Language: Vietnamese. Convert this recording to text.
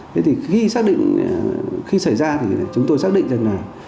thế thì khi xảy ra thì chúng tôi xác định rằng là